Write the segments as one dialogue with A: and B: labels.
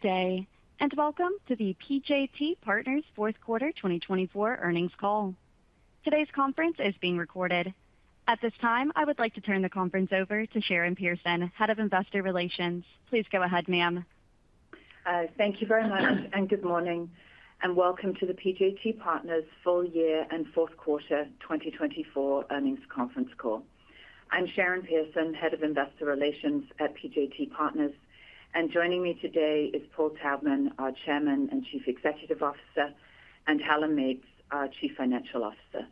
A: Good day, and welcome to the PJT Partners' fourth quarter 2024 earnings call. Today's conference is being recorded. At this time, I would like to turn the conference over to Sharon Pearson, Head of Investor Relations. Please go ahead, ma'am.
B: Thank you very much, and good morning, and welcome to the PJT Partners' full year and fourth quarter 2024 earnings conference call. I'm Sharon Pearson, Head of Investor Relations at PJT Partners, and joining me today is Paul Taubman, our Chairman and Chief Executive Officer, and Helen Meates, our Chief Financial Officer.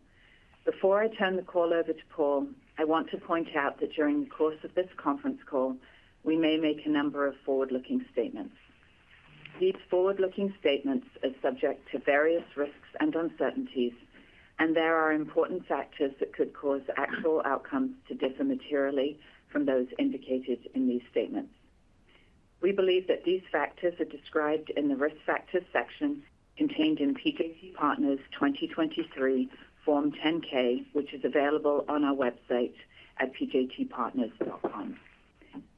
B: Before I turn the call over to Paul, I want to point out that during the course of this conference call, we may make a number of forward-looking statements. These forward-looking statements are subject to various risks and uncertainties, and there are important factors that could cause actual outcomes to differ materially from those indicated in these statements. We believe that these factors are described in the risk factors section contained in PJT Partners' 2023 Form 10-K, which is available on our website at pjtpartners.com.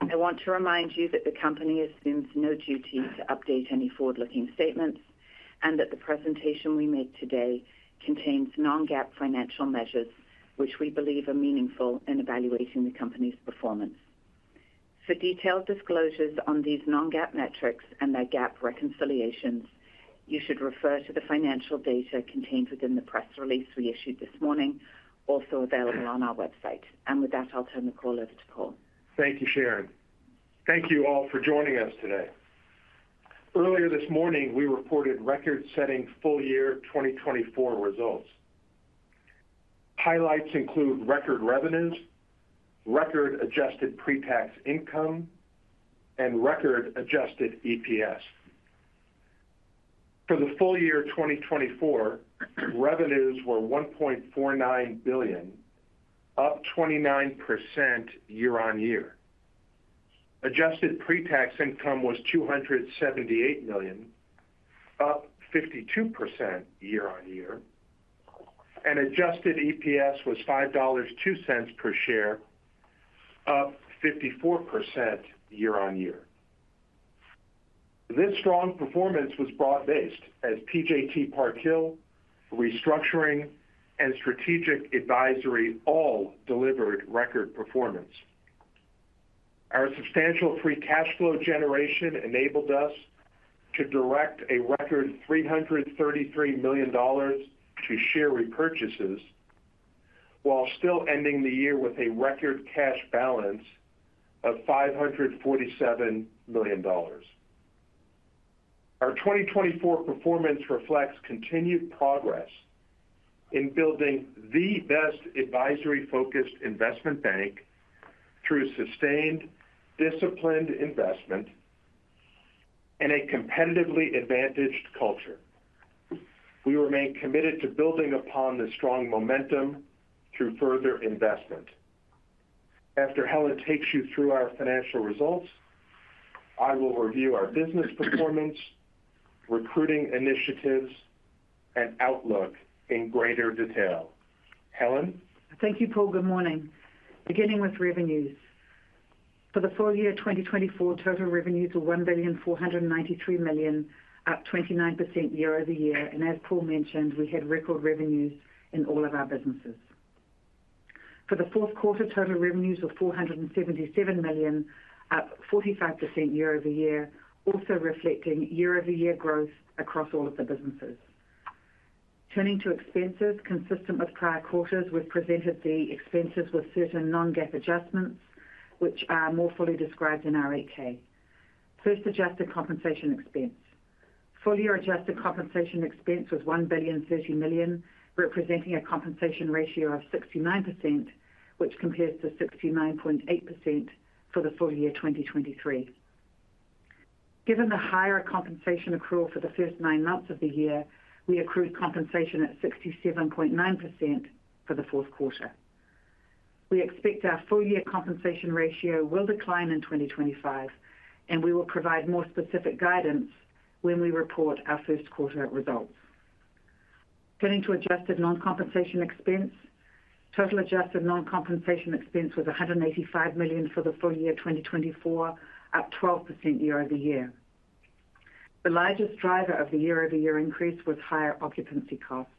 B: I want to remind you that the company assumes no duty to update any forward-looking statements and that the presentation we make today contains non-GAAP financial measures which we believe are meaningful in evaluating the company's performance. For detailed disclosures on these non-GAAP metrics and their GAAP reconciliations, you should refer to the financial data contained within the press release we issued this morning, also available on our website. And with that, I'll turn the call over to Paul.
C: Thank you, Sharon. Thank you all for joining us today. Earlier this morning, we reported record-setting full year 2024 results. Highlights include record revenues, record adjusted pre-tax income, and record adjusted EPS. For the full year 2024, revenues were $1.49 billion, up 29% year-on-year. Adjusted pre-tax income was $278 million, up 52% year-on-year, and adjusted EPS was $5.02 per share, up 54% year-on-year. This strong performance was broad-based, as PJT Park Hill, Restructuring, and Strategic Advisory all delivered record performance. Our substantial free cash flow generation enabled us to direct a record $333 million to share repurchases while still ending the year with a record cash balance of $547 million. Our 2024 performance reflects continued progress in building the best advisory-focused investment bank through sustained, disciplined investment and a competitively advantaged culture. We remain committed to building upon this strong momentum through further investment. After Helen takes you through our financial results, I will review our business performance, recruiting initiatives, and outlook in greater detail. Helen.
D: Thank you, Paul. Good morning. Beginning with revenues, for the full year 2024, total revenues were $1,493 million, up 29% year-over-year, and as Paul mentioned, we had record revenues in all of our businesses. For the fourth quarter, total revenues were $477 million, up 45% year-over-year, also reflecting year-over-year growth across all of the businesses. Turning to expenses, consistent with prior quarters, we've presented the expenses with certain non-GAAP adjustments, which are more fully described in our 8-K. First, adjusted compensation expense. Full year adjusted compensation expense was $1,030 million, representing a compensation ratio of 69%, which compares to 69.8% for the full year 2023. Given the higher compensation accrual for the first nine months of the year, we accrued compensation at 67.9% for the fourth quarter. We expect our full year compensation ratio will decline in 2025, and we will provide more specific guidance when we report our first quarter results. Turning to adjusted non-compensation expense, total adjusted non-compensation expense was $185 million for the full year 2024, up 12% year-over-year. The largest driver of the year-over-year increase was higher occupancy costs.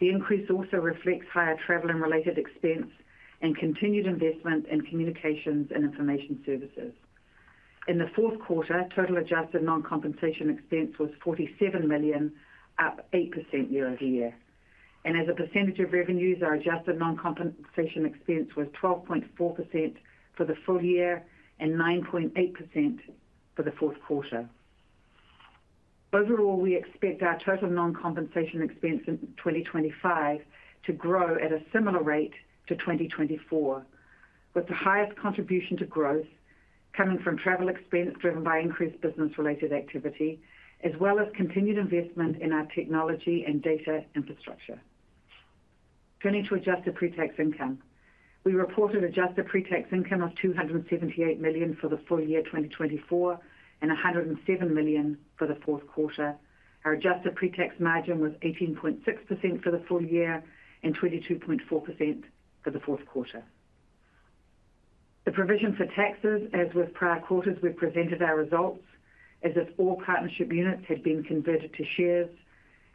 D: The increase also reflects higher travel and related expense and continued investment in communications and information services. In the fourth quarter, total adjusted non-compensation expense was $47 million, up 8% year-over-year, and as a percentage of revenues, our adjusted non-compensation expense was 12.4% for the full year and 9.8% for the fourth quarter. Overall, we expect our total non-compensation expense in 2025 to grow at a similar rate to 2024, with the highest contribution to growth coming from travel expense driven by increased business-related activity, as well as continued investment in our technology and data infrastructure. Turning to adjusted pre-tax income, we reported adjusted pre-tax income of $278 million for the full year 2024 and $107 million for the fourth quarter. Our adjusted pre-tax margin was 18.6% for the full year and 22.4% for the fourth quarter. The provision for taxes, as with prior quarters, we've presented our results as if all partnership units had been converted to shares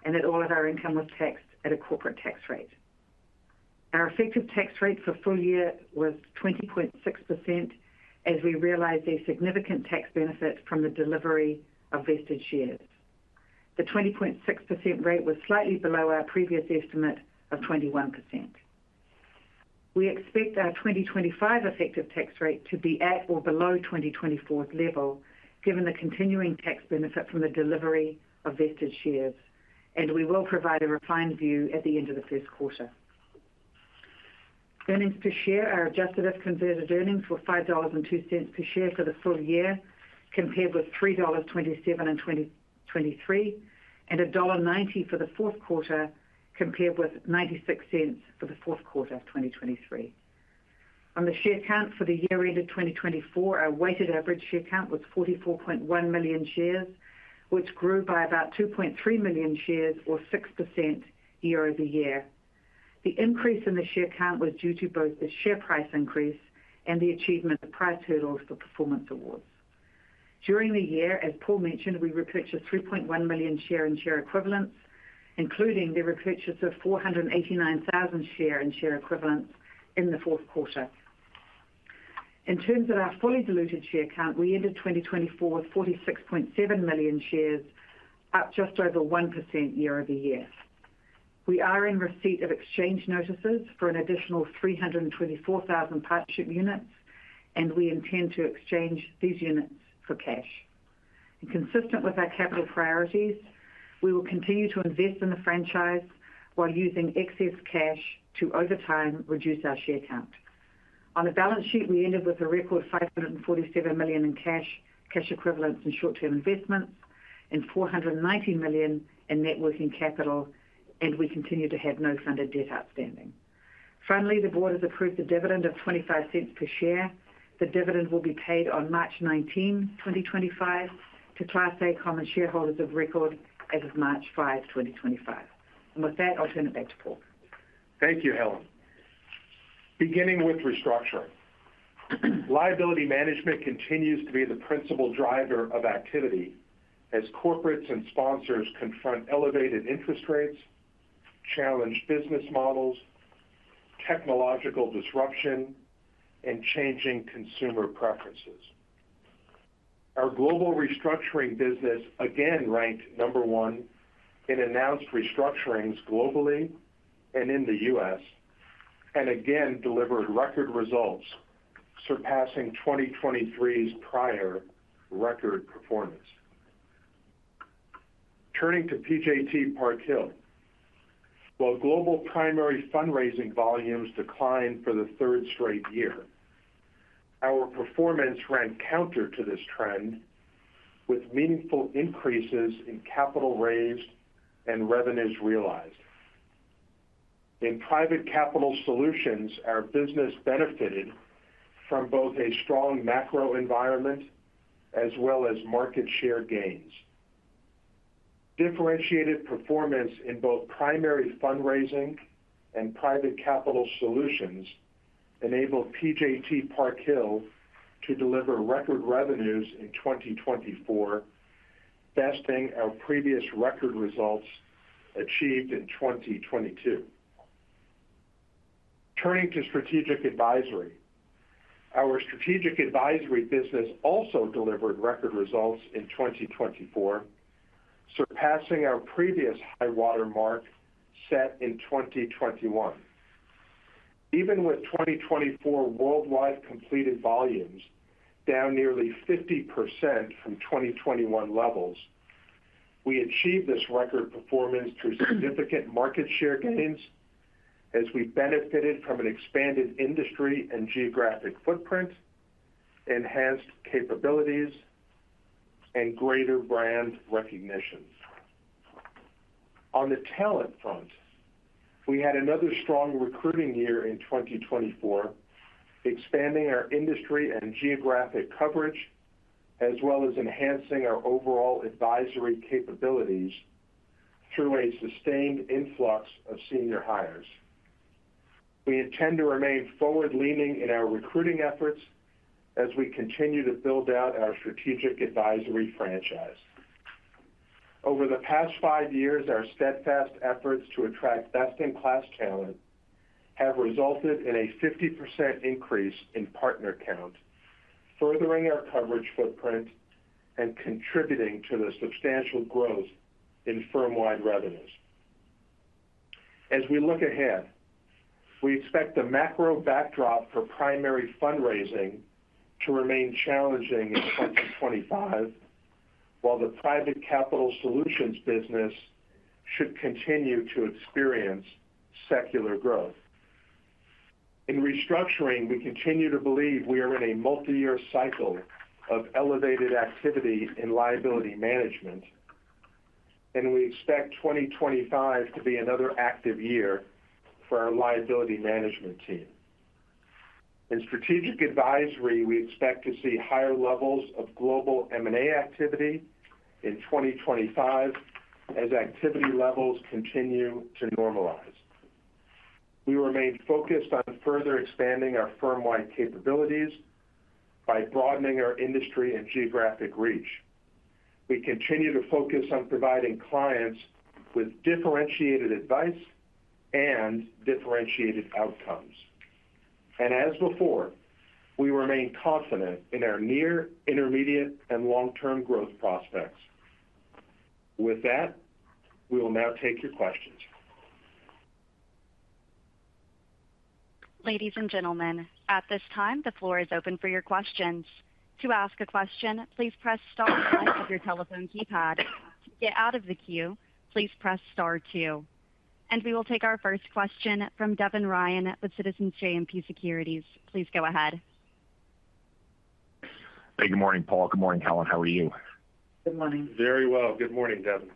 D: and that all of our income was taxed at a corporate tax rate. Our effective tax rate for full year was 20.6%, as we realized a significant tax benefit from the delivery of vested shares. The 20.6% rate was slightly below our previous estimate of 21%. We expect our 2025 effective tax rate to be at or below 2024's level, given the continuing tax benefit from the delivery of vested shares, and we will provide a refined view at the end of the first quarter. Earnings per share, our adjusted if-converted earnings were $5.02 per share for the full year, compared with $3.27 in 2023 and $1.90 for the fourth quarter, compared with $0.96 for the fourth quarter of 2023. On the share count for the year-end of 2024, our weighted average share count was 44.1 million shares, which grew by about 2.3 million shares, or 6% year-over-year. The increase in the share count was due to both the share price increase and the achievement of price hurdles for performance awards. During the year, as Paul mentioned, we repurchased 3.1 million shares and share equivalents, including the repurchase of 489,000 shares and share equivalents in the fourth quarter. In terms of our fully diluted share count, we ended 2024 with 46.7 million shares, up just over 1% year-over-year. We are in receipt of exchange notices for an additional 324,000 partnership units, and we intend to exchange these units for cash. Consistent with our capital priorities, we will continue to invest in the franchise while using excess cash to over time reduce our share count. On the balance sheet, we ended with a record $547 million in cash, cash equivalents and short-term investments, and $490 million in net working capital, and we continue to have no funded debt outstanding. Finally, the board has approved the dividend of $0.25 per share. The dividend will be paid on March 19, 2025, to Class A Common Shareholders of record as of March 5, 2025. And with that, I'll turn it back to Paul.
C: Thank you, Helen. Beginning with Restructuring, liability management continues to be the principal driver of activity as corporates and sponsors confront elevated interest rates, challenged business models, technological disruption, and changing consumer preferences. Our global restructuring business again ranked number one in announced restructurings globally and in the U.S., and again delivered record results surpassing 2023's prior record performance. Turning to PJT Park Hill, while global primary fundraising volumes declined for the third straight year, our performance ran counter to this trend, with meaningful increases in capital raised and revenues realized. In Private Capital Solutions, our business benefited from both a strong macro environment as well as market share gains. Differentiated performance in both primary fundraising and Private Capital Solutions enabled PJT Park Hill to deliver record revenues in 2024, besting our previous record results achieved in 2022. Turning to Strategic Advisory, our Strategic Advisory business also delivered record results in 2024, surpassing our previous high-water mark set in 2021. Even with 2024 worldwide completed volumes down nearly 50% from 2021 levels, we achieved this record performance through significant market share gains as we benefited from an expanded industry and geographic footprint, enhanced capabilities, and greater brand recognition. On the talent front, we had another strong recruiting year in 2024, expanding our industry and geographic coverage, as well as enhancing our overall advisory capabilities through a sustained influx of senior hires. We intend to remain forward-leaning in our recruiting efforts as we continue to build out our Strategic Advisory franchise. Over the past five years, our steadfast efforts to attract best-in-class talent have resulted in a 50% increase in partner count, furthering our coverage footprint and contributing to the substantial growth in firm-wide revenues. As we look ahead, we expect the macro backdrop for primary fundraising to remain challenging in 2025, while the Private Capital Solutions business should continue to experience secular growth. In Restructuring, we continue to believe we are in a multi-year cycle of elevated activity in Liability Management, and we expect 2025 to be another active year for our Liability Management team. In Strategic Advisory, we expect to see higher levels of global M&A activity in 2025 as activity levels continue to normalize. We remain focused on further expanding our firm-wide capabilities by broadening our industry and geographic reach. We continue to focus on providing clients with differentiated advice and differentiated outcomes. And as before, we remain confident in our near, intermediate, and long-term growth prospects. With that, we will now take your questions.
A: Ladies and gentlemen, at this time, the floor is open for your questions. To ask a question, please press star one of your telephone keypad. To get out of the queue, please press star two. And we will take our first question from Devin Ryan with Citizens JMP Securities. Please go ahead.
E: Hey, good morning, Paul. Good morning, Helen. How are you?
D: Good morning.
C: Very well. Good morning, Devin.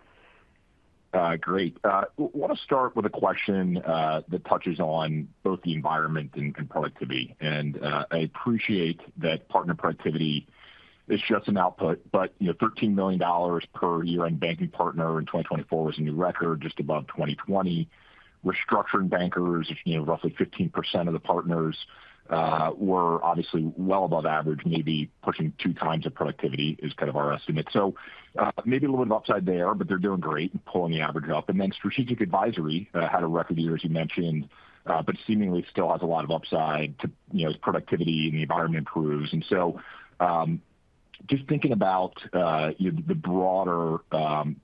E: Great. I want to start with a question that touches on both the environment and productivity. And I appreciate that partner productivity is just an output, but $13 million per year in banking partner in 2024 was a new record, just above 2020. Restructuring bankers, roughly 15% of the partners, were obviously well above average, maybe pushing two times the productivity is kind of our estimate. So maybe a little bit of upside there, but they're doing great and pulling the average up. And then Strategic Advisory had a record year, as you mentioned, but seemingly still has a lot of upside to productivity and the environment improves. Just thinking about the broader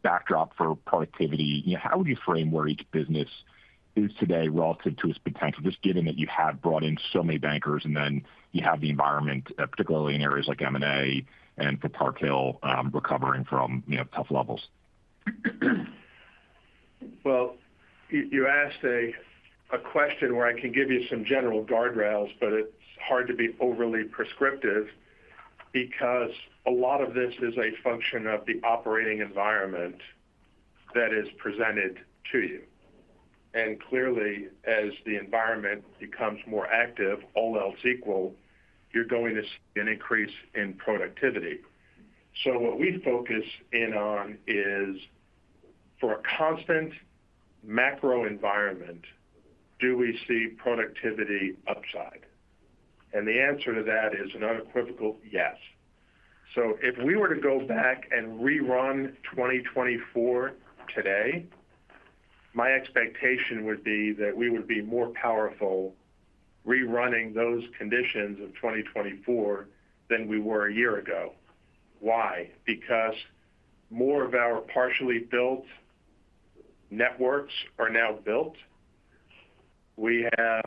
E: backdrop for productivity, how would you frame where each business is today relative to its potential, just given that you have brought in so many bankers and then you have the environment, particularly in areas like M&A and for Park Hill recovering from tough levels?
C: You asked a question where I can give you some general guardrails, but it's hard to be overly prescriptive because a lot of this is a function of the operating environment that is presented to you. Clearly, as the environment becomes more active, all else equal, you're going to see an increase in productivity. What we focus in on is, for a constant macro environment, do we see productivity upside? The answer to that is an unequivocal yes. If we were to go back and rerun 2024 today, my expectation would be that we would be more powerful rerunning those conditions of 2024 than we were a year ago. Why? Because more of our partially built networks are now built. We have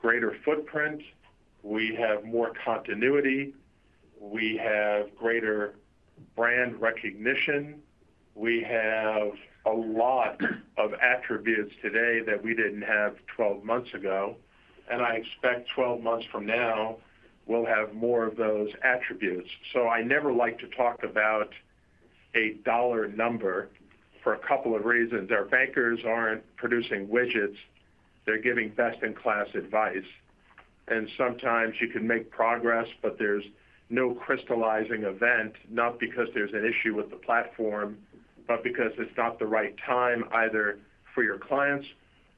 C: greater footprint. We have more continuity. We have greater brand recognition. We have a lot of attributes today that we didn't have 12 months ago, and I expect 12 months from now, we'll have more of those attributes, so I never like to talk about a dollar number for a couple of reasons. Our bankers aren't producing widgets. They're giving best-in-class advice, and sometimes you can make progress, but there's no crystallizing event, not because there's an issue with the platform, but because it's not the right time either for your clients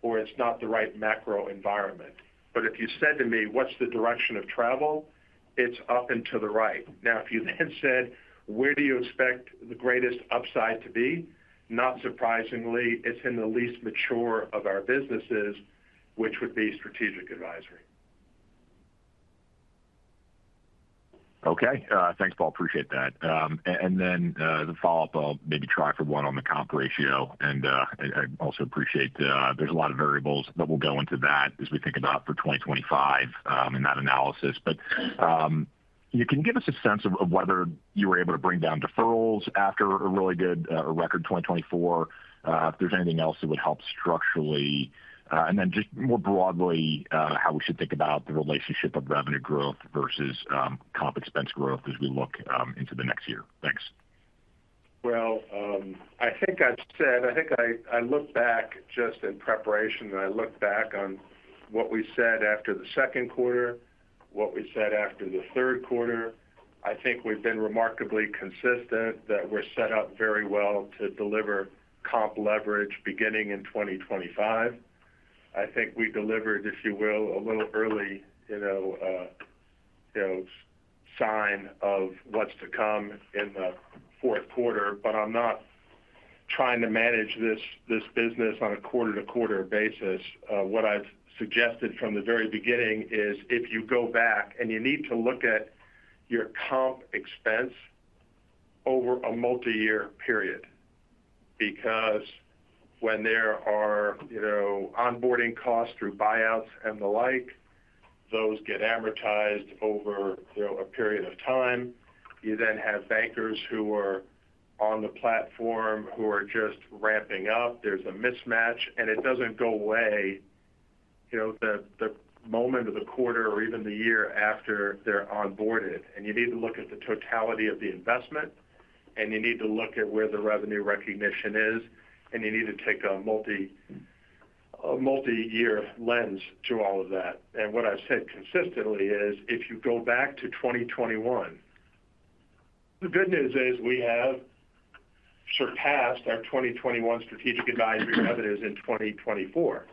C: or it's not the right macro environment, but if you said to me, "What's the direction of travel?" it's up and to the right. Now, if you then said, "Where do you expect the greatest upside to be?" not surprisingly, it's in the least mature of our businesses, which would be Strategic Advisory.
E: Okay. Thanks, Paul. Appreciate that. And then the follow-up, I'll maybe try for one on the comp ratio. And I also appreciate there's a lot of variables that will go into that as we think about for 2025 and that analysis. But can you give us a sense of whether you were able to bring down deferrals after a really good record 2024? If there's anything else that would help structurally? And then just more broadly, how we should think about the relationship of revenue growth versus comp expense growth as we look into the next year. Thanks.
C: I think I've said I looked back just in preparation, and I looked back on what we said after the second quarter, what we said after the third quarter. I think we've been remarkably consistent that we're set up very well to deliver comp leverage beginning in 2025. I think we delivered, if you will, a little early sign of what's to come in the fourth quarter. I'm not trying to manage this business on a quarter-to-quarter basis. What I've suggested from the very beginning is if you go back and you need to look at your comp expense over a multi-year period, because when there are onboarding costs through buyouts and the like, those get amortized over a period of time. You then have bankers who are on the platform who are just ramping up. There's a mismatch, and it doesn't go away the moment of the quarter or even the year after they're onboarded. And you need to look at the totality of the investment, and you need to look at where the revenue recognition is, and you need to take a multi-year lens to all of that. And what I've said consistently is, if you go back to 2021, the good news is we have surpassed our 2021 Strategic Advisory revenues in 2024.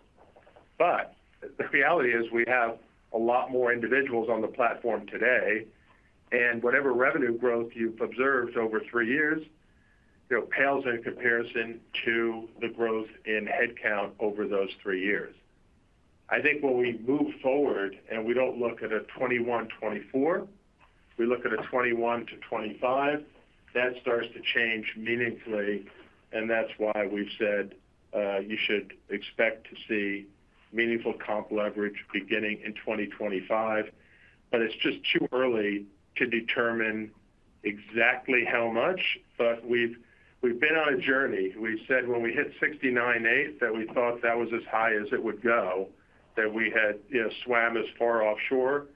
C: But the reality is we have a lot more individuals on the platform today. And whatever revenue growth you've observed over three years pales in comparison to the growth in headcount over those three years. I think when we move forward and we don't look at a 2021-2024, we look at a 2021-2025, that starts to change meaningfully. That's why we've said you should expect to see meaningful comp leverage beginning in 2025. It's just too early to determine exactly how much. We've been on a journey. We said when we hit 69.8% that we thought that was as high as it would go, that we had swam as far offshore.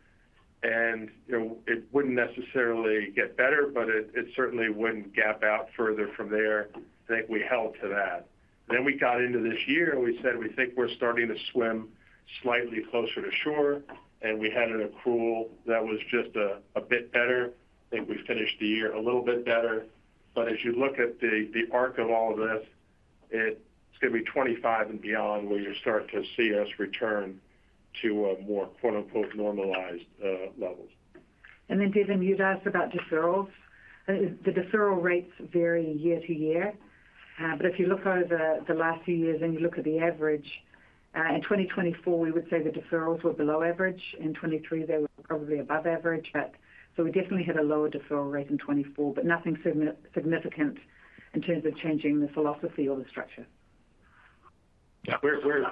C: It wouldn't necessarily get better, but it certainly wouldn't gap out further from there. I think we held to that. Then we got into this year, and we said we think we're starting to swim slightly closer to shore. We had an accrual that was just a bit better. I think we finished the year a little bit better. As you look at the arc of all of this, it's going to be 25 and beyond where you start to see us return to more "normalized" levels.
D: And then, Devin, you'd asked about deferrals. The deferral rates vary year to year. But if you look over the last few years and you look at the average, in 2024, we would say the deferrals were below average. In 2023, they were probably above average. So we definitely had a lower deferral rate in 2024, but nothing significant in terms of changing the philosophy or the structure.
C: Yeah. We're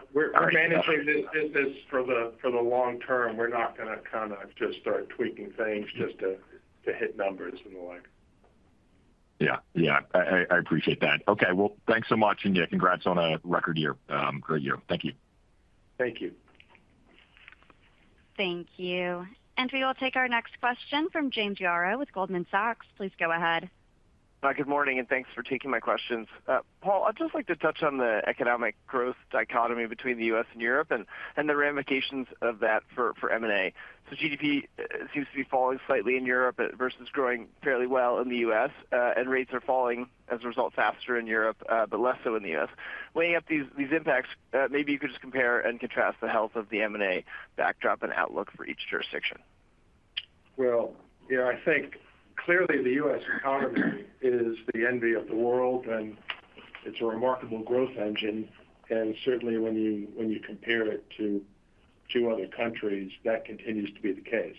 C: managing this for the long-term. We're not going to kind of just start tweaking things just to hit numbers and the like.
E: Yeah. Yeah. I appreciate that. Okay, well, thanks so much, and yeah, congrats on a record year. Great year. Thank you.
C: Thank you.
A: Thank you. And we will take our next question from James Yaro with Goldman Sachs. Please go ahead.
F: Good morning, and thanks for taking my questions. Paul, I'd just like to touch on the economic growth dichotomy between the U.S. and Europe and the ramifications of that for M&A. So GDP seems to be falling slightly in Europe versus growing fairly well in the U.S., and rates are falling as a result faster in Europe, but less so in the U.S. Weighing up these impacts, maybe you could just compare and contrast the health of the M&A backdrop and outlook for each jurisdiction.
C: Yeah, I think clearly the U.S. economy is the envy of the world, and it's a remarkable growth engine. Certainly, when you compare it to other countries, that continues to be the case.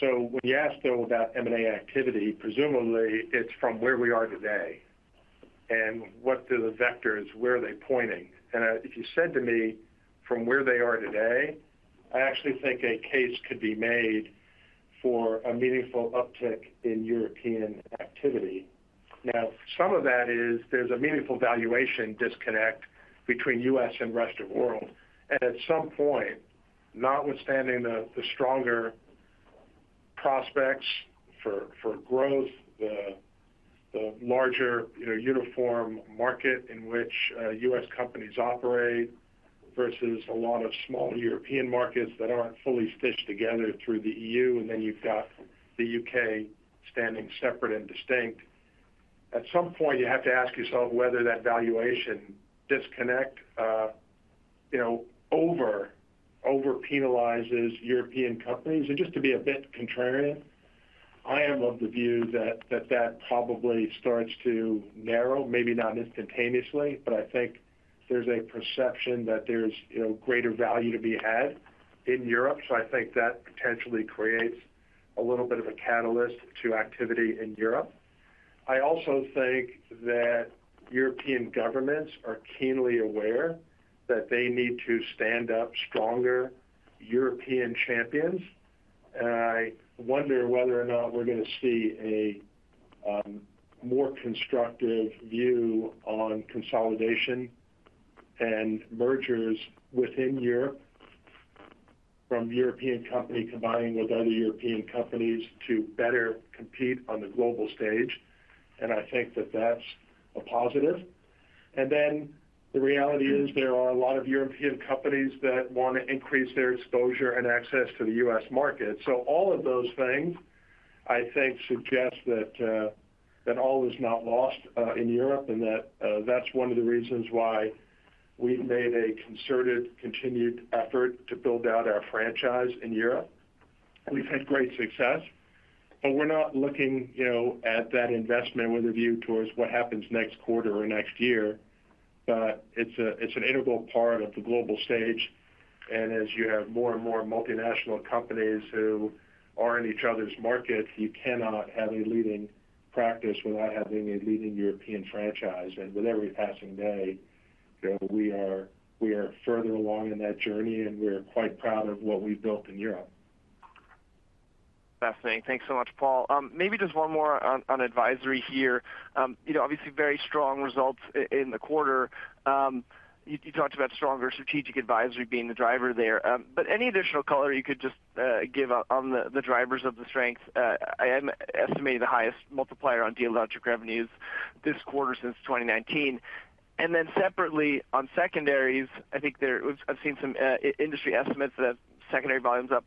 C: When you ask, though, about M&A activity, presumably it's from where we are today. What do the vectors where are they pointing? If you said to me, "From where they are today," I actually think a case could be made for a meaningful uptick in European activity. Now, some of that is, there's a meaningful valuation disconnect between U.S. and rest of the world. And at some point, notwithstanding the stronger prospects for growth, the larger uniform market in which U.S. companies operate versus a lot of small European markets that aren't fully stitched together through the EU, and then you've got the U.K. standing separate and distinct, at some point, you have to ask yourself whether that valuation disconnect overpenalizes European companies. And just to be a bit contrarian, I am of the view that that probably starts to narrow, maybe not instantaneously, but I think there's a perception that there's greater value to be had in Europe. So I think that potentially creates a little bit of a catalyst to activity in Europe. I also think that European governments are keenly aware that they need to stand up stronger European champions. I wonder whether or not we're going to see a more constructive view on consolidation and mergers within Europe, from European companies combining with other European companies to better compete on the global stage. I think that that's a positive. The reality is there are a lot of European companies that want to increase their exposure and access to the U.S. market. All of those things, I think, suggest that all is not lost in Europe and that that's one of the reasons why we've made a concerted continued effort to build out our franchise in Europe. We've had great success, but we're not looking at that investment with a view towards what happens next quarter or next year. It's an integral part of the global stage. And as you have more and more multinational companies who are in each other's market, you cannot have a leading practice without having a leading European franchise. And with every passing day, we are further along in that journey, and we're quite proud of what we've built in Europe.
F: Fascinating. Thanks so much, Paul. Maybe just one more on advisory here. Obviously, very strong results in the quarter. You talked about stronger Strategic Advisory being the driver there. But any additional color you could just give on the drivers of the strength? I'm estimating the highest multiplier on Dealogic revenues this quarter since 2019. And then separately, on secondaries, I think I've seen some industry estimates that secondary volume's up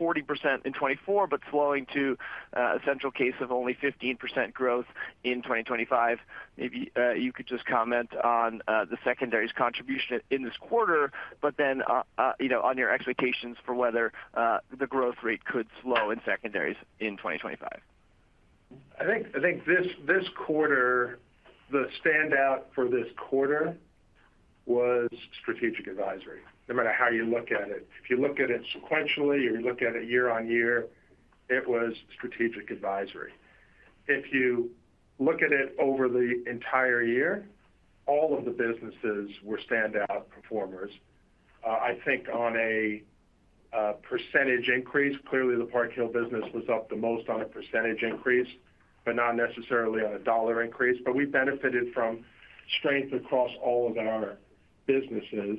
F: 40% in 2024, but slowing to a central case of only 15% growth in 2025. Maybe you could just comment on the secondaries' contribution in this quarter, but then on your expectations for whether the growth rate could slow in secondaries in 2025.
C: I think this quarter, the standout for this quarter was Strategic Advisory. No matter how you look at it, if you look at it sequentially or you look at it year on year, it was Strategic Advisory. If you look at it over the entire year, all of the businesses were standout performers. I think on a percentage increase, clearly the Park Hill business was up the most on a percentage increase, but not necessarily on a dollar increase. But we benefited from strength across all of our businesses.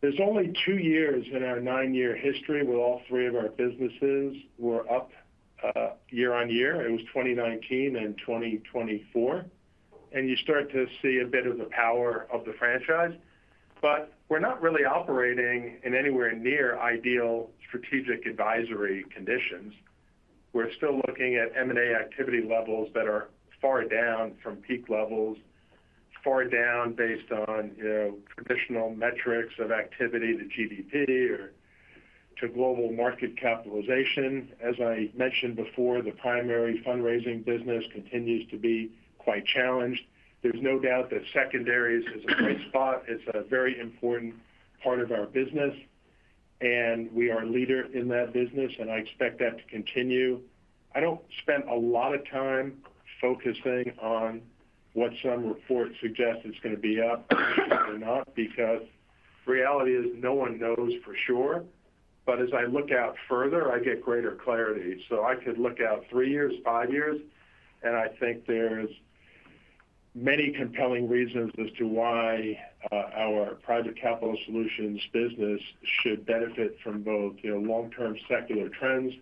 C: There's only two years in our nine-year history where all three of our businesses were up year on year. It was 2019 and 2024. And you start to see a bit of the power of the franchise. But we're not really operating in anywhere near ideal Strategic Advisory conditions. We're still looking at M&A activity levels that are far down from peak levels, far down based on traditional metrics of activity to GDP or to global market capitalization. As I mentioned before, the primary fundraising business continues to be quite challenged. There's no doubt that secondaries is a great spot. It's a very important part of our business. And we are a leader in that business, and I expect that to continue. I don't spend a lot of time focusing on what some reports suggest it's going to be up or not because the reality is no one knows for sure. But as I look out further, I get greater clarity. So I could look out three years, five years, and I think there's many compelling reasons as to why our Private Capital Solutions business should benefit from both long-term secular trends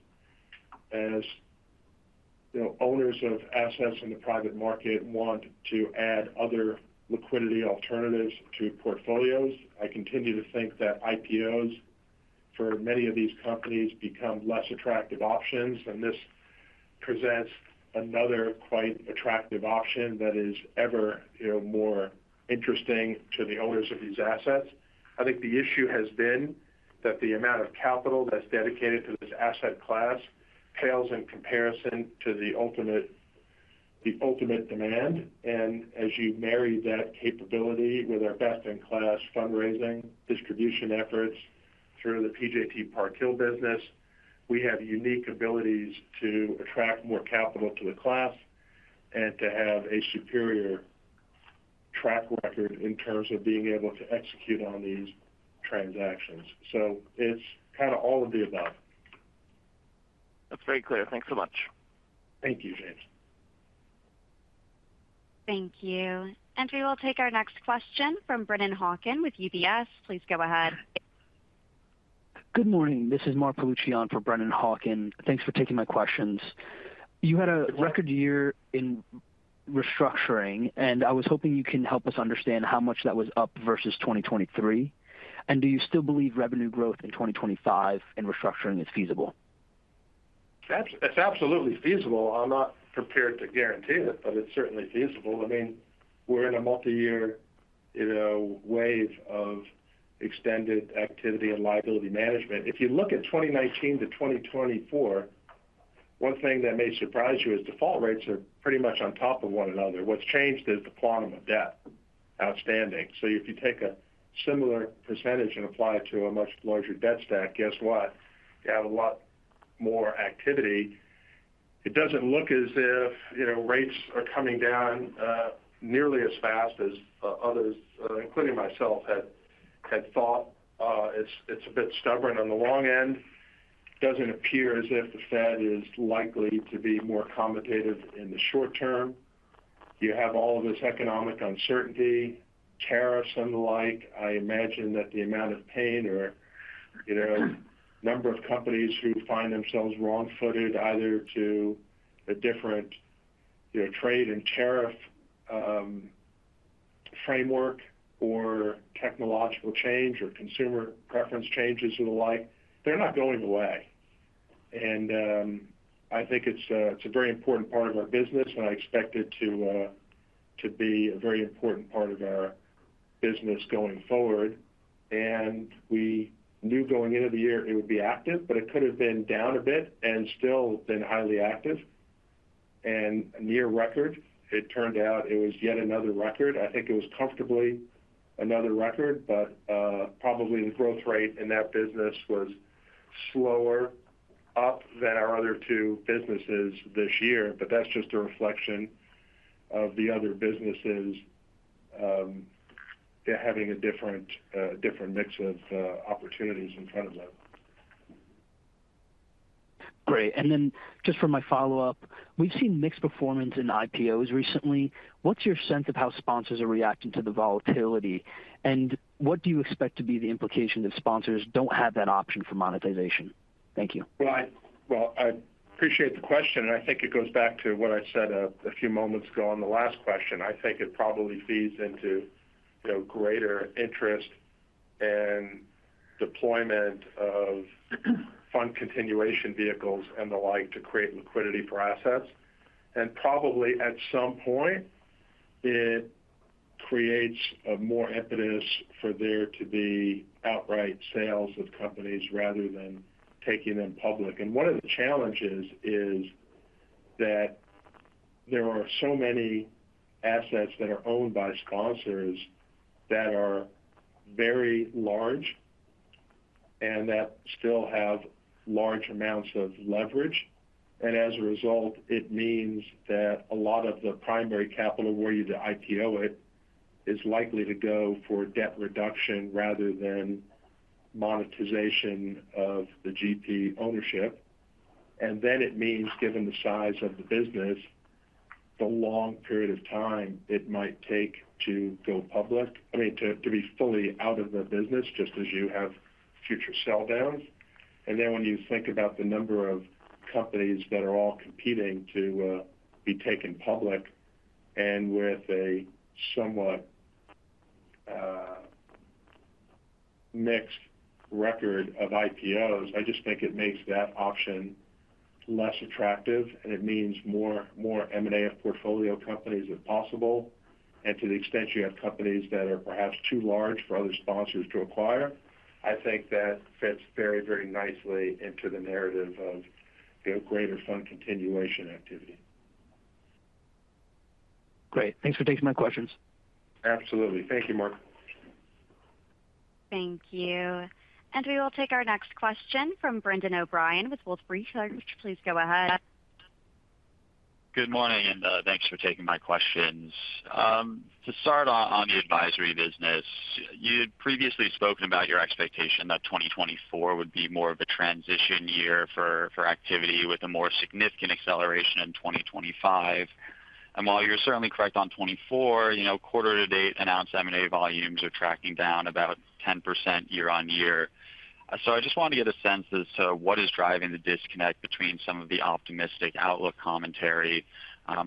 C: as owners of assets in the private market want to add other liquidity alternatives to portfolios. I continue to think that IPOs for many of these companies become less attractive options, and this presents another quite attractive option that is ever more interesting to the owners of these assets. I think the issue has been that the amount of capital that's dedicated to this asset class pales in comparison to the ultimate demand. And as you marry that capability with our best-in-class fundraising distribution efforts through the PJT Park Hill business, we have unique abilities to attract more capital to the class and to have a superior track record in terms of being able to execute on these transactions. So it's kind of all of the above.
F: That's very clear. Thanks so much.
C: Thank you, James.
A: Thank you. And we will take our next question from Brennan Hawken with UBS. Please go ahead.
G: Good morning. This is Marc Palucci for Brennan Hawken. Thanks for taking my questions. You had a record year in Restructuring, and I was hoping you can help us understand how much that was up versus 2023, and do you still believe revenue growth in 2025 in Restructuring is feasible?
C: It's absolutely feasible. I'm not prepared to guarantee it, but it's certainly feasible. I mean, we're in a multi-year wave of extended activity and liability management. If you look at 2019 to 2024, one thing that may surprise you is default rates are pretty much on top of one another. What's changed is the quantum of debt, outstanding. So if you take a similar percentage and apply it to a much larger debt stack, guess what? You have a lot more activity. It doesn't look as if rates are coming down nearly as fast as others, including myself, had thought. It's a bit stubborn on the long end. It doesn't appear as if the Fed is likely to be more accommodative in the short-term. You have all of this economic uncertainty, tariffs and the like. I imagine that the amount of pain or number of companies who find themselves wrong-footed either to a different trade and tariff framework or technological change or consumer preference changes and the like, they're not going away. And I think it's a very important part of our business, and I expect it to be a very important part of our business going forward. And we knew going into the year it would be active, but it could have been down a bit and still been highly active. And near record, it turned out it was yet another record. I think it was comfortably another record, but probably the growth rate in that business was slower up than our other two businesses this year. But that's just a reflection of the other businesses having a different mix of opportunities in front of them.
G: Great. And then just for my follow-up, we've seen mixed performance in IPOs recently. What's your sense of how sponsors are reacting to the volatility? And what do you expect to be the implication if sponsors don't have that option for monetization? Thank you.
C: I appreciate the question. I think it goes back to what I said a few moments ago on the last question. I think it probably feeds into greater interest and deployment of fund continuation vehicles and the like to create liquidity for assets. Probably at some point, it creates a more impetus for there to be outright sales of companies rather than taking them public. One of the challenges is that there are so many assets that are owned by sponsors that are very large and that still have large amounts of leverage. As a result, it means that a lot of the primary capital where you'd IPO it is likely to go for debt reduction rather than monetization of the GP ownership. And then it means, given the size of the business, the long period of time it might take to go public. I mean, to be fully out of the business, just as you have future sell-downs. And then when you think about the number of companies that are all competing to be taken public and with a somewhat mixed record of IPOs, I just think it makes that option less attractive. And it means more M&A of portfolio companies if possible. And to the extent you have companies that are perhaps too large for other sponsors to acquire, I think that fits very, very nicely into the narrative of greater fund continuation activity.
G: Great. Thanks for taking my questions.
C: Absolutely. Thank you, Marc.
A: Thank you. And we will take our next question from Brendan O'Brien with Wolfe Research. Please go ahead.
H: Good morning, and thanks for taking my questions. To start on the advisory business, you'd previously spoken about your expectation that 2024 would be more of a transition year for activity with a more significant acceleration in 2025, and while you're certainly correct on 2024, quarter-to-date announced M&A volumes are tracking down about 10% year on year, so I just wanted to get a sense as to what is driving the disconnect between some of the optimistic outlook commentary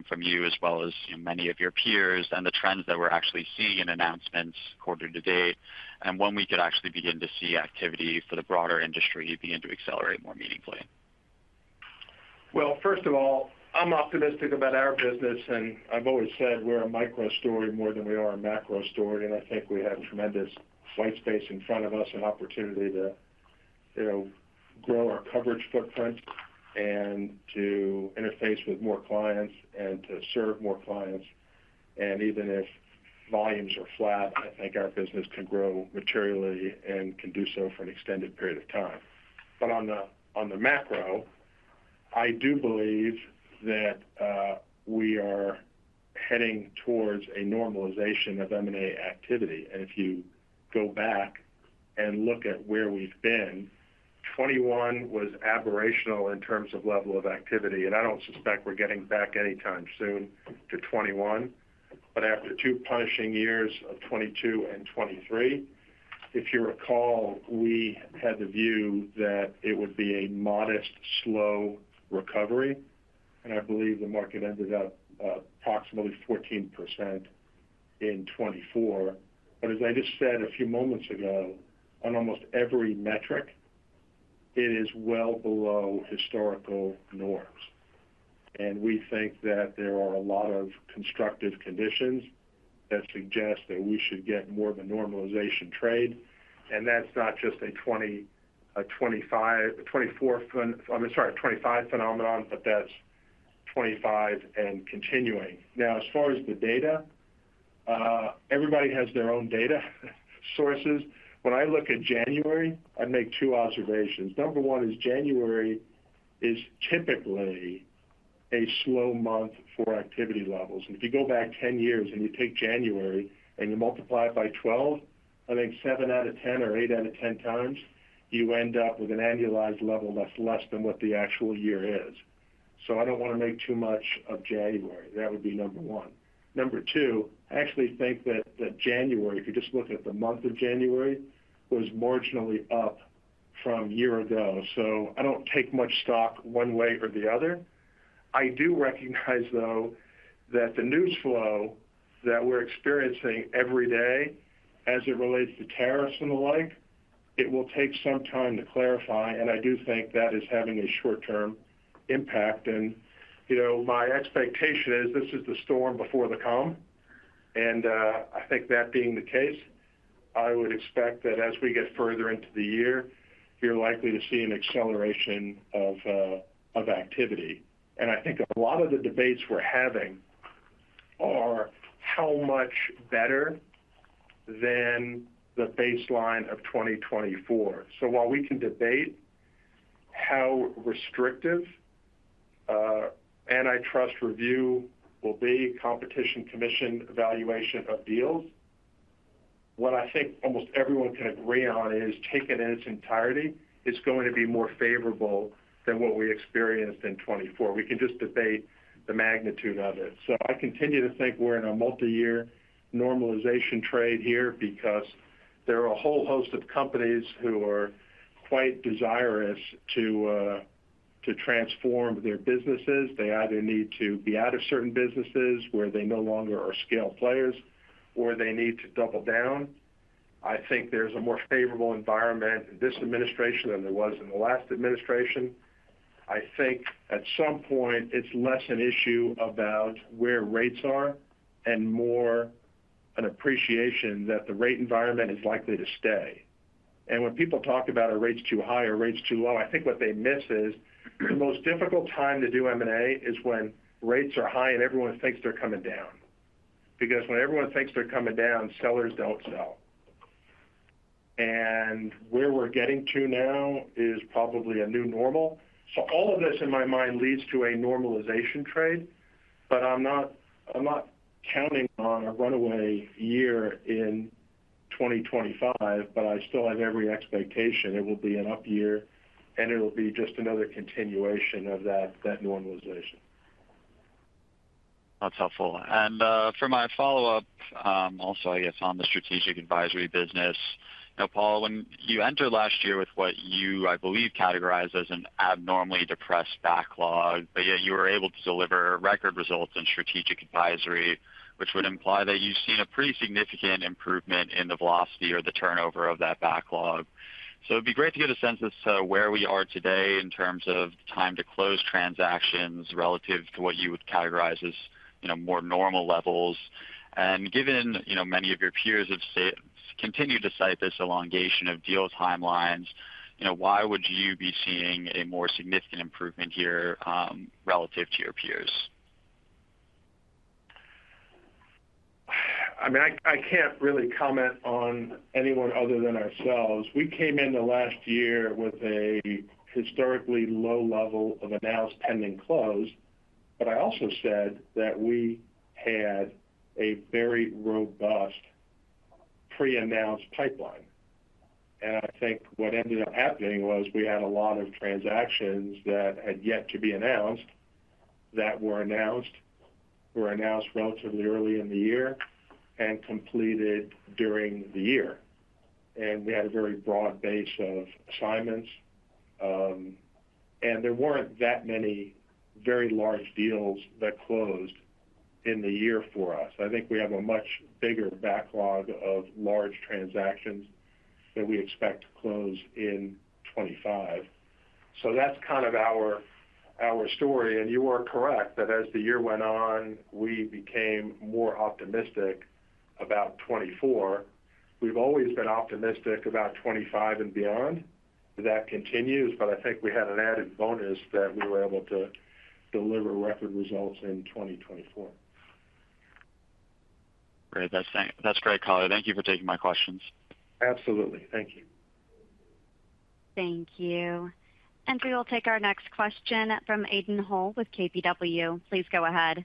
H: from you as well as many of your peers and the trends that we're actually seeing in announcements quarter-to-date and when we could actually begin to see activity for the broader industry begin to accelerate more meaningfully.
C: First of all, I'm optimistic about our business, and I've always said we're a micro story more than we are a macro story. And I think we have tremendous white space in front of us and opportunity to grow our coverage footprint and to interface with more clients and to serve more clients. And even if volumes are flat, I think our business can grow materially and can do so for an extended period of time. But on the macro, I do believe that we are heading towards a normalization of M&A activity. And if you go back and look at where we've been, 2021 was aberrational in terms of level of activity. And I don't suspect we're getting back anytime soon to 2021. But after two punishing years of 2022 and 2023, if you recall, we had the view that it would be a modest, slow recovery. I believe the market ended up approximately 14% in 2024. As I just said a few moments ago, on almost every metric, it is well below historical norms. We think that there are a lot of constructive conditions that suggest that we should get more of a normalization trade. That's not just a 2024 phenomenon, but that's 2025 and continuing. Now, as far as the data, everybody has their own data sources. When I look at January, I'd make two observations. Number one is January is typically a slow month for activity levels. If you go back 10 years and you take January and you multiply it by 12, I think seven out of 10 or eight out of 10 times, you end up with an annualized level that's less than what the actual year is. I don't want to make too much of January. That would be number one. Number two, I actually think that January, if you just look at the month of January, was marginally up from a year ago. So I don't take much stock one way or the other. I do recognize, though, that the news flow that we're experiencing every day as it relates to tariffs and the like, it will take some time to clarify. And I do think that is having a short-term impact. And my expectation is this is the calm before the storm. And I think that being the case, I would expect that as we get further into the year, you're likely to see an acceleration of activity. And I think a lot of the debates we're having are how much better than the baseline of 2024. So while we can debate how restrictive antitrust review will be, competition commission evaluation of deals, what I think almost everyone can agree on is taken in its entirety, it's going to be more favorable than what we experienced in 2024. We can just debate the magnitude of it. So I continue to think we're in a multi-year normalization trade here because there are a whole host of companies who are quite desirous to transform their businesses. They either need to be out of certain businesses where they no longer are scale players, or they need to double down. I think there's a more favorable environment in this administration than there was in the last administration. I think at some point, it's less an issue about where rates are and more an appreciation that the rate environment is likely to stay. And when people talk about our rates too high or rates too low, I think what they miss is the most difficult time to do M&A is when rates are high and everyone thinks they're coming down. Because when everyone thinks they're coming down, sellers don't sell. And where we're getting to now is probably a new normal. So all of this in my mind leads to a normalization trade. But I'm not counting on a runaway year in 2025, but I still have every expectation it will be an up year and it will be just another continuation of that normalization.
H: That's helpful. And for my follow-up, also, I guess, on the Strategic Advisory business, Paul, when you entered last year with what you, I believe, categorized as an abnormally depressed backlog, but yet you were able to deliver record results in Strategic Advisory, which would imply that you've seen a pretty significant improvement in the velocity or the turnover of that backlog. So it'd be great to get a sense as to where we are today in terms of time to close transactions relative to what you would categorize as more normal levels. And given many of your peers have continued to cite this elongation of deal timelines, why would you be seeing a more significant improvement here relative to your peers?
C: I mean, I can't really comment on anyone other than ourselves. We came into last year with a historically low level of announced pending close. But I also said that we had a very robust pre-announced pipeline. And I think what ended up happening was we had a lot of transactions that had yet to be announced that were announced relatively early in the year and completed during the year. And we had a very broad base of assignments. And there weren't that many very large deals that closed in the year for us. I think we have a much bigger backlog of large transactions that we expect to close in 2025. So that's kind of our story. And you are correct that as the year went on, we became more optimistic about 2024. We've always been optimistic about 2025 and beyond. That continues. But I think we had an added bonus that we were able to deliver record results in 2024.
H: Great. That's great color. Thank you for taking my questions.
C: Absolutely. Thank you.
A: Thank you. And we will take our next question from Aidan Hall with KBW. Please go ahead.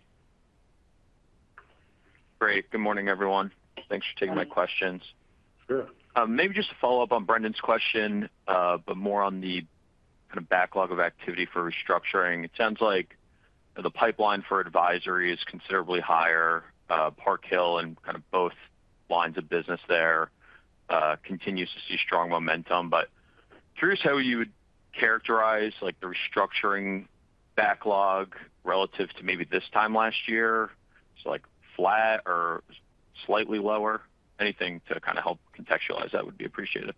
I: Great. Good morning, everyone. Thanks for taking my questions.
C: Sure.
I: Maybe just to follow up on Brendan's question, but more on the kind of backlog of activity for Restructuring. It sounds like the pipeline for advisory is considerably higher. Park Hill and kind of both lines of business there continue to see strong momentum. But curious how you would characterize the Restructuring backlog relative to maybe this time last year, so flat or slightly lower? Anything to kind of help contextualize that would be appreciated.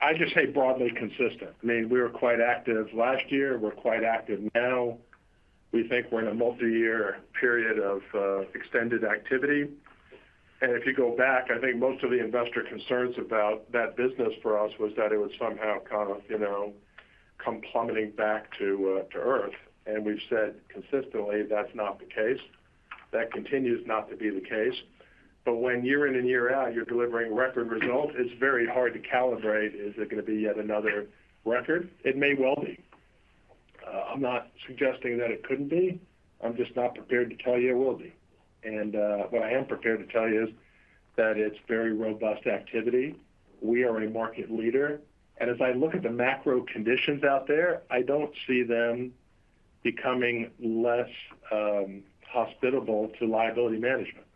C: I'd just say broadly consistent. I mean, we were quite active last year. We're quite active now. We think we're in a multi-year period of extended activity, and if you go back, I think most of the investor concerns about that business for us was that it would somehow kind of come plummeting back to earth. And we've said consistently that's not the case. That continues not to be the case, but when year in and year out, you're delivering record results, it's very hard to calibrate. Is it going to be yet another record? It may well be. I'm not suggesting that it couldn't be. I'm just not prepared to tell you it will be, and what I am prepared to tell you is that it's very robust activity. We are a market leader. As I look at the macro conditions out there, I don't see them becoming less hospitable to liability management.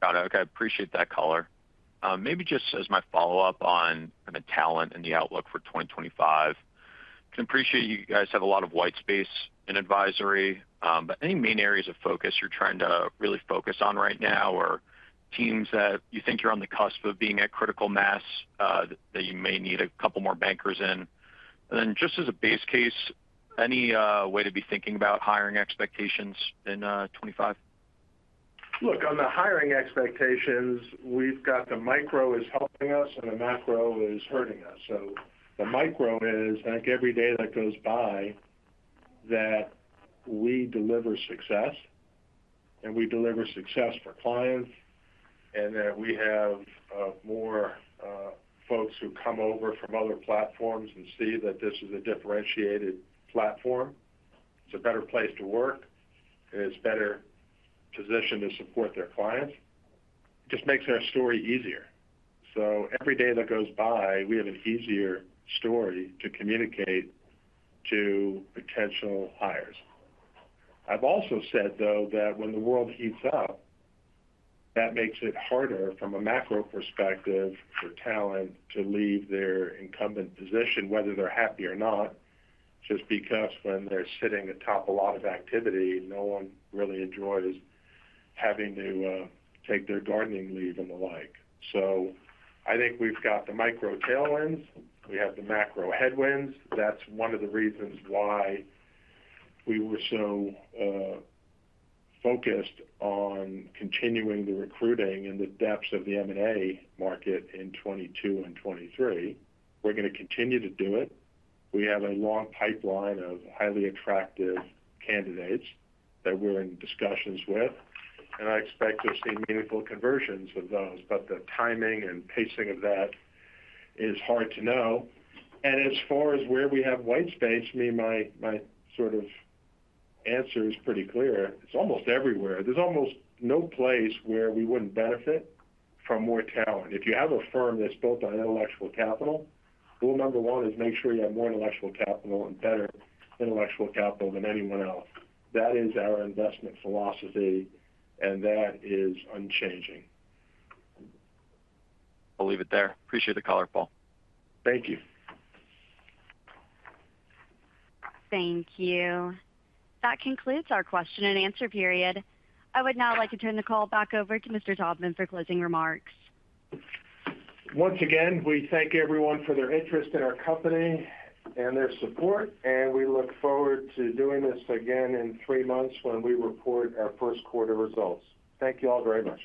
I: Got it. Okay. I appreciate that color. Maybe just as my follow-up on the talent and the outlook for 2025, I can appreciate you guys have a lot of white space in advisory. But any main areas of focus you're trying to really focus on right now or teams that you think you're on the cusp of being at critical mass that you may need a couple more bankers in? And then just as a base case, any way to be thinking about hiring expectations in 2025?
C: Look, on the hiring expectations, we've got the micro is helping us and the macro is hurting us. So the micro is, I think every day that goes by, that we deliver success and we deliver success for clients and that we have more folks who come over from other platforms and see that this is a differentiated platform. It's a better place to work. It's better positioned to support their clients. It just makes our story easier. So every day that goes by, we have an easier story to communicate to potential hires. I've also said, though, that when the world heats up, that makes it harder from a macro perspective for talent to leave their incumbent position, whether they're happy or not, just because when they're sitting atop a lot of activity, no one really enjoys having to take their gardening leave and the like. I think we've got the micro tailwinds. We have the macro headwinds. That's one of the reasons why we were so focused on continuing the recruiting in the depths of the M&A market in 2022 and 2023. We're going to continue to do it. We have a long pipeline of highly attractive candidates that we're in discussions with. I expect to have seen meaningful conversions with those. The timing and pacing of that is hard to know. As far as where we have white space, my sort of answer is pretty clear. It's almost everywhere. There's almost no place where we wouldn't benefit from more talent. If you have a firm that's built on intellectual capital, rule number one is make sure you have more intellectual capital and better intellectual capital than anyone else. That is our investment philosophy, and that is unchanging.
I: I'll leave it there. Appreciate the call, Paul.
C: Thank you.
A: Thank you. That concludes our question and answer period. I would now like to turn the call back over to Mr. Taubman for closing remarks.
C: Once again, we thank everyone for their interest in our company and their support. And we look forward to doing this again in three months when we report our first quarter results. Thank you all very much.